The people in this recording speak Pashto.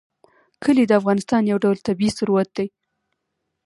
کلي د افغانستان یو ډول طبعي ثروت دی.